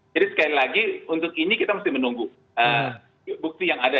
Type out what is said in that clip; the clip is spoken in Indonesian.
jadi sekali lagi untuk ini kita mesti menunggu bukti yang ada